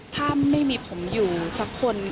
ถ้าไม่มีผมอยู่สักคน